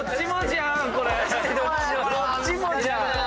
どっちもじゃん！